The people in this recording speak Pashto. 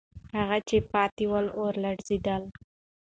هغه چې پاتې ول، آوار لړزېدل.